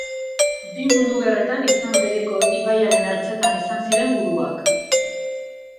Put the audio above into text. Bi Mundu Gerretan izen bereko ibaiaren ertzetan izan ziren guduak.